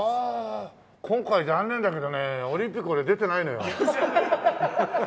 今回残念だけどねオリンピック俺出てないのよ。